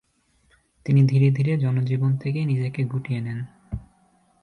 তিনি ধীরে ধীরে জনজীবন থেকে নিজেকে গুটিয়ে নেন।